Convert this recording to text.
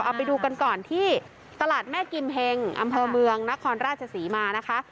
เอาไปดูกันก่อนที่ตลาดแม่กิมเฮงอำเภอเมืองนครราชศรีมานะคะ